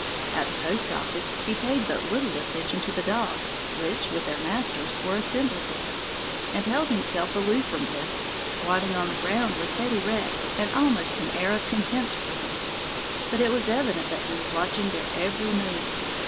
At the post office he paid but little attention to the dogs which, with their masters, were assembled there, and held himself aloof from them, squatting on the ground with head erect and almost an air of contempt for them, but it was evident that he was watching their every move.